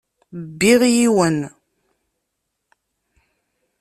Bbiɣ yiwen.